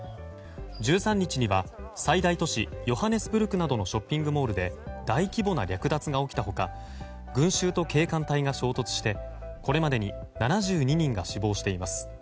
１３日には最大都市ヨハネスブルクなどのショッピングモールで大規模な略奪が起きた他群衆と警官隊が衝突して、これまでに７２人が死亡しています。